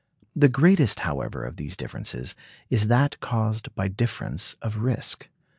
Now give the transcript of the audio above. The greatest, however, of these differences, is that caused by difference of risk.